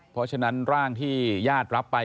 เพราะฉะนั้นร่างที่ญาติรับไป